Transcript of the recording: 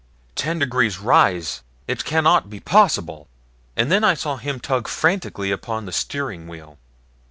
"Ten degrees rise it cannot be possible!" and then I saw him tug frantically upon the steering wheel.